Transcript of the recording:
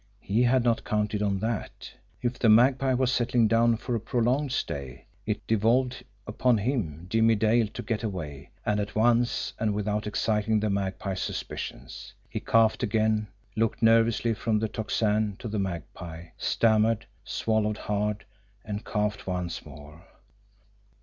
He had not counted on that! If the Magpie was settling down for a prolonged stay, it devolved upon him, Jimmie Dale, to get away, and at once and without exciting the Magpie's suspicions. He coughed again, looked nervously from the Tocsin to the Magpie stammered swallowed hard and coughed once more.